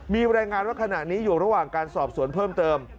มีรายงานว่าขณะนี้อยู่ระหว่างการสอบสวนเพิ่มเติม